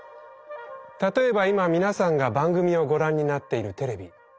例えば今皆さんが番組をご覧になっているテレビ。